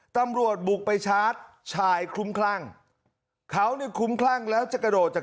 ตำรวจบุกไปชาร์จชายคลุ้มคลั่งเขาเนี่ยคุ้มคลั่งแล้วจะกระโดดจาก